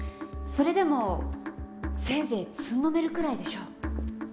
それでもせいぜいつんのめるくらいでしょう。